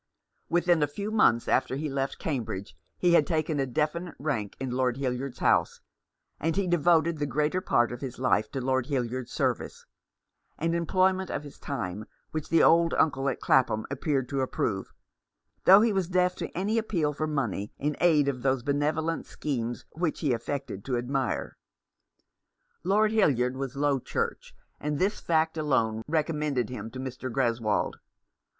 Within a few months after he left Cambridge he had taken a definite rank in Lord Hildyard's house, and he 349 Rough Justice. devoted the greater part of his life to Lord Hild yard's service ; an employment of his time which the old uncle at Clapham appeared to approve, though he was deaf to any appeal for money in aid of those benevolent schemes which he affected to admire. Lord Hildyard was Low Church, and this fact alone recommended him to Mr. Greswold.